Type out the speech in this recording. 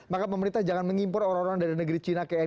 maka pemerintah jangan mengimpor orang orang dari negeri cina ke nkri